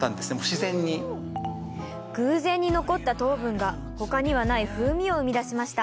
自然に偶然に残った糖分がほかにはない風味を生み出しました